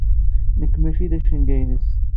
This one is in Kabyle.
Nekk mačči d acengu-ines.